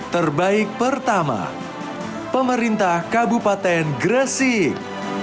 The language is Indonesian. terbaik pertama pemerintah kabupaten gresik